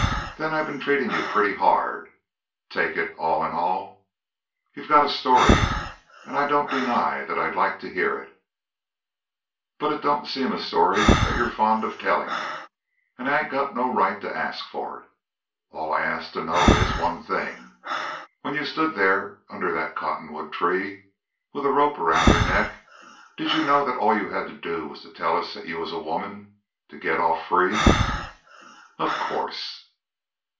Then I been treating you pretty hard, take it all in all. You got a story, and I don't deny that I'd like to hear it; but it don't seem a story that you're fond of telling, and I ain't got no right to ask for it. All I ask to know is one thing: When you stood there under that cotton wood tree, with a rope around your neck, did you know that all you had to do was to tell us that you was a woman to get off free?" "Of course."